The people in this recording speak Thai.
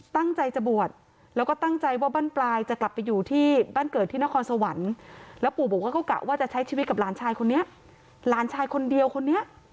ตั้งใจจะบวชแล้วก็ตั้งใจว่าบ้านปลายจะกลับไปอยู่ที่บ้านเกิดที่นครสวรรค์แล้วปู่บอกว่าก็กะว่าจะใช้ชีวิตกับหลานชายคนนี้หลานชายคนเดียวคนนี้